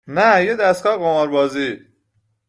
نه یه دستگاه قمار بازی